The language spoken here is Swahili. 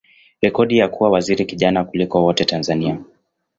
rekodi ya kuwa waziri kijana kuliko wote Tanzania.